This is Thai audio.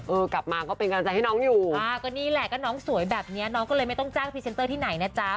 กลับมาก็เป็นกำลังใจให้น้องอยู่อ่าก็นี่แหละก็น้องสวยแบบเนี้ยน้องก็เลยไม่ต้องจ้างพรีเซนเตอร์ที่ไหนนะจ๊ะ